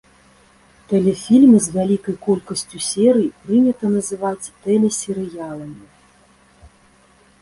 Тэлефільмы з вялікай колькасцю серый прынята называць тэлесерыяламі.